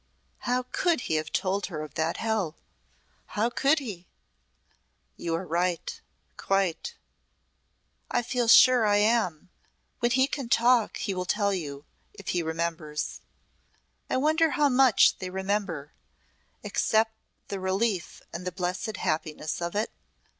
How could he have told her of that hell how could he?" "You are right quite!" "I feel sure I am. When he can talk he will tell you if he remembers. I wonder how much they remember except the relief and the blessed happiness of it?